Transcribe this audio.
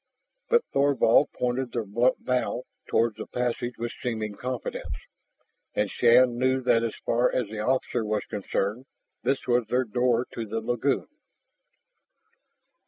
But Thorvald pointed their blunt bow toward the passage with seeming confidence, and Shann knew that as far as the officer was concerned, this was their door to the lagoon.